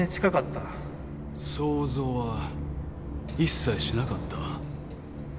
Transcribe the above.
想像は一切しなかった。